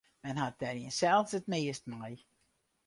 Men hat der jinsels it meast mei.